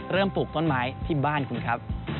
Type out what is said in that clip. ปลูกต้นไม้ที่บ้านคุณครับ